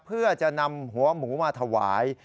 เพื่อจะนำหัวหมูมาถวาย